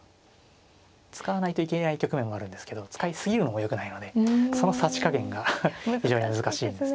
使わないといけない局面もあるんですけど使い過ぎるのもよくないのでそのさじ加減が非常に難しいですね。